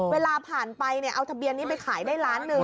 เวลาผ่านไปเอาทะเบียนนี้ไปขายได้ล้านหนึ่ง